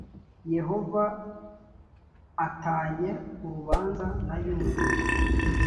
yehova a tanye urubanza na yuda